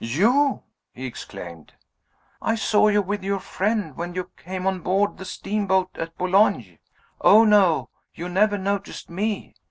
"You!" he exclaimed. "I saw you with your friend, when you came on board the steamboat at Boulogne. Oh, no, you never noticed me!